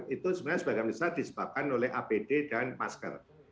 itu sebenarnya sebagian besar disebabkan oleh apd dan masker